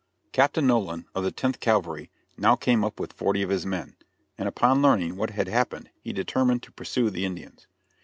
Captain Nolan, of the Tenth Cavalry, now came up with forty of his men, and upon learning what had happened he determined to pursue the Indians.